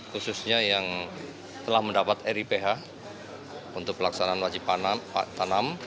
khususnya yang telah mendapat riph untuk pelaksanaan wajib tanam